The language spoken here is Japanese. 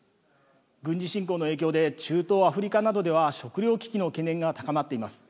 軍事侵攻の影響で、中東・アフリカなどでは、食料危機の懸念が高まっています。